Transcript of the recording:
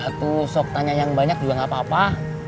satu sok tanya yang banyak juga nggak apa apa